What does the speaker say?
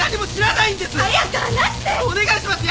お願いします